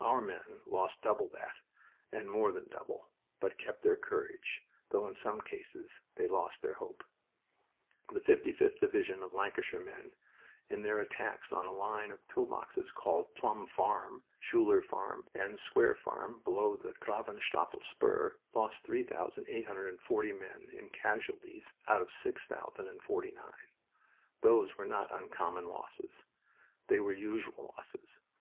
Our men lost double that, and more than double, but kept their courage, though in some cases they lost their hope. The 55th Division of Lancashire men, in their attacks on a line of pill boxes called Plum Farm, Schuler Farm, and Square Farm, below the Gravenstafel Spur, lost 3,840 men in casualties out of 6,049. Those were not uncommon losses. They were usual losses.